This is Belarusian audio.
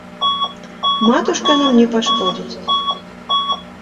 Матушка нам не пашкодзіць.